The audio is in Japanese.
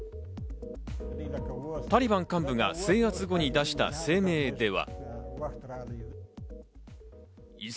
タリバン幹部が制圧後に出した声明では。